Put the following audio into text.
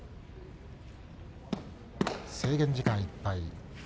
制限時間いっぱい。